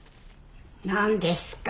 何ですか？